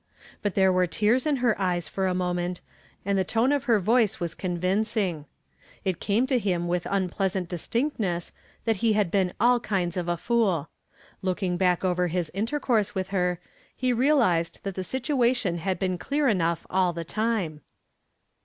But there were tears in her eyes for a moment, and the tone of her voice was convincing. It came to him with unpleasant distinctness that he had been all kinds of a fool. Looking back over his intercourse with her, he realized that the situation had been clear enough all the time.